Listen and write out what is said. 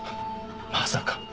まさか。